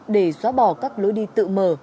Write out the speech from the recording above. để xóa bỏ các lối đi tự mở